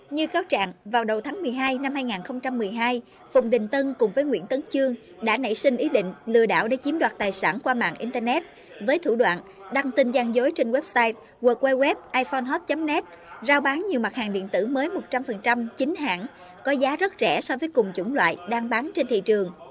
như cáo trạng vào đầu tháng một mươi hai năm hai nghìn một mươi hai phùng đình tân cùng với nguyễn tấn trương đã nảy sinh ý định lừa đảo để chiếm đoạt tài sản qua mạng internet với thủ đoạn đăng tin gian dối trên website hoặc quay web iphon hop net giao bán nhiều mặt hàng điện tử mới một trăm linh chính hãng có giá rất rẻ so với cùng chủng loại đang bán trên thị trường